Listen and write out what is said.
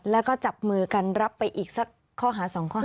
แล้วก็จับมือกันรับไปอีกสักข้อหา๒ข้อหา